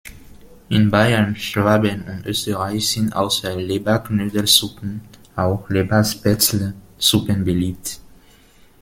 In Bayern, Schwaben und Österreich sind außer Leber"knödel"suppen auch Leber"spätzle"suppen beliebt.